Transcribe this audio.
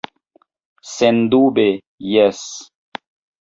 Sendube jes.